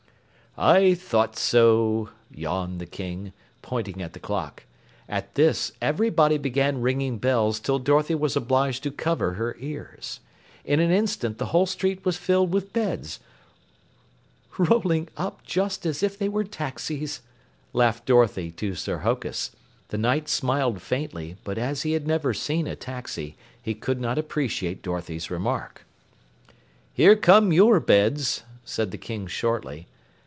"I thought so," yawned the King, pointing at the clock. At this, everybody began ringing bells till Dorothy was obliged to cover her ears. In an instant, the whole street was filled with beds, "rolling up just as if they were taxis," laughed Dorothy to Sir Hokus. The Knight smiled faintly, but as he had never seen a taxi, he could not appreciate Dorothy's remark. "Here come your beds," said the King shortly.